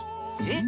え？